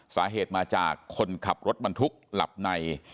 สาเหตุมาจากคนขับรถบรรทุกหลับใน